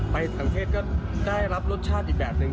ไปทางเทศก็ได้รับรสชาติอีกแบบหนึ่ง